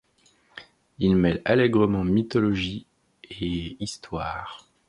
Ils mêlent allègrement mythologie et histoire.